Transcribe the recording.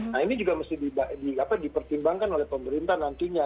nah ini juga mesti dipertimbangkan oleh pemerintah nantinya